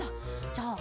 じゃああ